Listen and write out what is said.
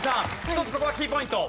一つここはキーポイント。